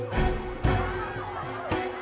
yang lepas ada ngecomprang